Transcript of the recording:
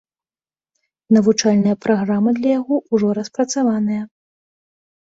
Навучальная праграма для яго ўжо распрацаваная.